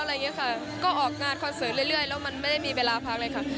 อะไรอย่างนี้ค่ะก็ออกงานคอนเสิร์ตเรื่อยแล้วมันไม่ได้มีเวลาพักเลยค่ะ